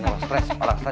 nggak ada stress